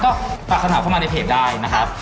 ก็ปรับขนาดเข้ามาในเพจได้นะครับ